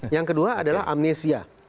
yang kedua adalah amnesia